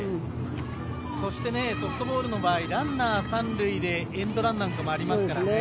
そしてソフトボールの場合ランナー３塁でエンドランなんかもありますからね。